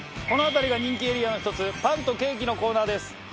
この辺りが人気エリアの１つパンとケーキのコーナーです。